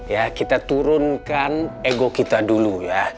ya kita turunkan ego kita dulu ya